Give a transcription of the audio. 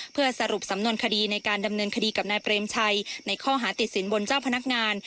เพื่อสรุปสำนวนคดีในการดำเนินคดีกับนายเปรมชัยในข้อหาติดสินบนเจ้าพนักงาน